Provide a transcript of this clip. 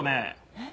えっ。